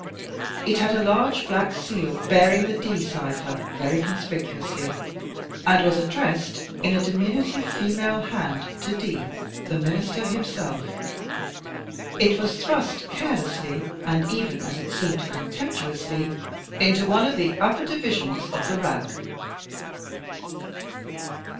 It had a large black seal, bearing the D cipher very conspicuously, and was addressed, in a diminutive female hand, to D , the Minister, himself. It was thrust carelessly, and even, as it seemed, contemptuously, into one of the upper divisions of the rack.